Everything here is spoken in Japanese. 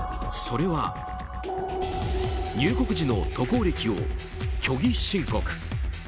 それは入国時の渡航歴を虚偽申告。